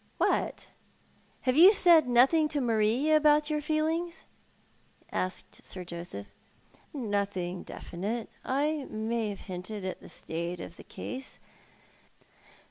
" What ! Have you said nothing to Marie about your feelings?" asked Sir Joseph. " Nothing definite. I may have hinted at the state of the case.